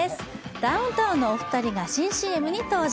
ダウンタウンのお二人が新ＣＭに登場。